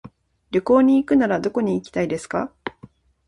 旅行に行くならどこに行きたいですか。